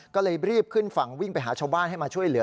ก็เลยรีบขึ้นฝั่งวิ่งไปหาชาวบ้านให้มาช่วยเหลือ